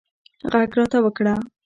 غږ راته وکړه